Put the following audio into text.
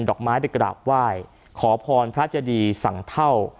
ดอกไม้ไปกราบไหว้ขอพรพระเจดีสังเท่า